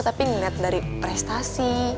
tapi ngeliat dari prestasi